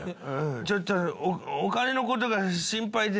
ちょっとお金のことが心配で。